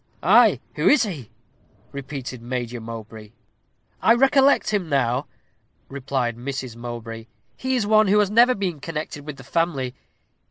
"Ay, who is he?" repeated Major Mowbray. "I recollect him now," replied Mrs. Mowbray; "he is one who has ever been connected with the family.